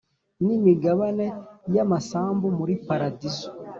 n imigabane y amasambu muri Paradizo